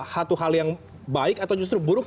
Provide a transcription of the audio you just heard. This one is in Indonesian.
satu hal yang baik atau justru buruk